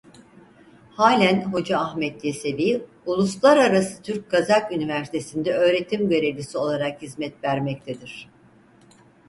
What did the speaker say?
Halen Hoca Ahmet Yesevi Uluslararası Türk Kazak Üniversitesi'nde Öğretim görevlisi olarak hizmet vermektedir.